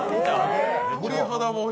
鳥肌もん。